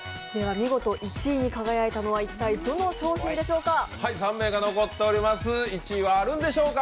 見事１位に輝いたのは、一体どの商品でしょうか。